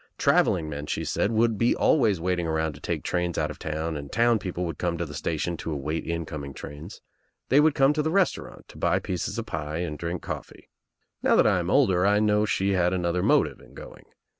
Travelling men, she said, would be always iwalting around to take trains. out_of_ town and town Fpcople would come to the station to await incoming trains. They would come to the restaurant to buy pieces of pie and drink coffee. Now that I am older I know that she had another motive in going.